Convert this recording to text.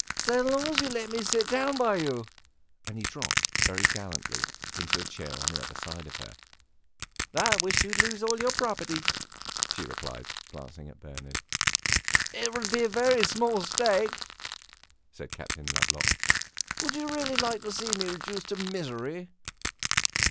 "So long as you let me sit down by you!" And he dropped, very gallantly, into a chair on the other side of her. "I wish you would lose all your property!" she replied, glancing at Bernard. "It would be a very small stake," said Captain Lovelock. "Would you really like to see me reduced to misery?"